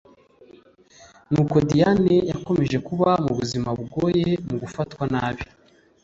Nuko Diane yakomeje kuba mubuzima bugoye mugufatwanabi